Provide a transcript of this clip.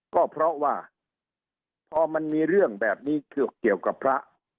ก็เพราะว่าพอมันมีเรื่องแบบนี้เกี่ยวกับพระ